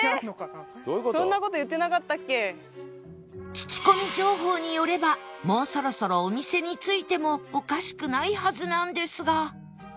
聞き込み情報によればもうそろそろお店に着いてもおかしくないはずなんですが